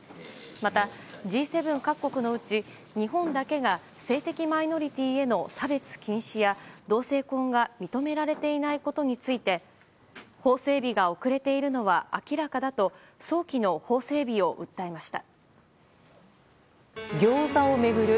またＧ７各国のうち日本だけが性的マイノリティーへの差別禁止や、同性婚が認められていないことについて法整備が遅れているのは明らかだと早期の法整備を訴えました。